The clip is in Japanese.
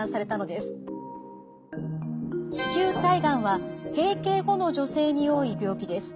子宮体がんは閉経後の女性に多い病気です。